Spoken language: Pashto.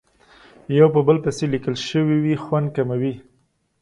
یو په بل پسې لیکل شوې وي خوند کموي.